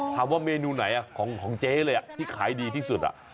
ถามว่าเมนูไหนของเจ๊เลยที่ขายดีที่สุด